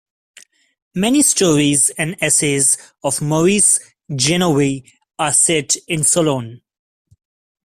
Many stories and essays of Maurice Genevoix are set in Sologne.